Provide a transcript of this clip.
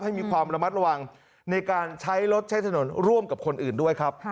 มีความระมัดระวังในการใช้รถใช้ถนนร่วมกับคนอื่นด้วยครับ